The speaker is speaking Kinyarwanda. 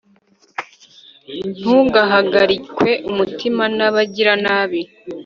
ntugahagarikwe umutima n'abagiranabi